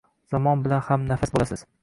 Zamon bilan hamnafas bo’lasiz